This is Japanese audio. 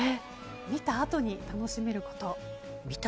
見たあとに楽しめること。